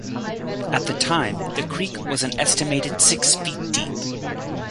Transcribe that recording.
At the time, the creek was an estimated six feet deep.